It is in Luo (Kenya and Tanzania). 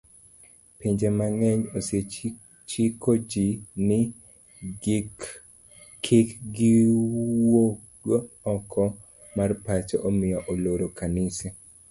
Pinje mang'eny osechiko ji ni kikgiwuogoko mar pacho omiyo oloro kanise